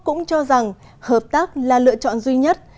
cũng cho rằng hợp tác là lựa chọn duy nhất